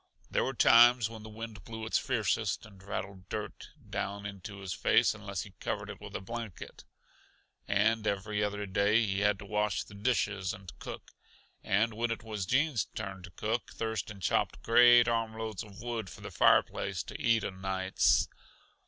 There were times when the wind blew its fiercest and rattled dirt down into his face unless he covered it with a blanket. And every other day he had to wash the dishes and cook, and when it was Gene's turn to cook, Thurston chopped great armloads of wood for the fireplace to eat o' nights.